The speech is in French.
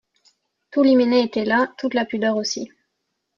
Tout l’hyménée était là, toute la pudeur aussi.